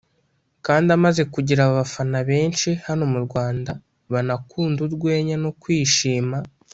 kandi amaze kugira abafana benshi hano mu Rwanda banakunda urwenya no kwishima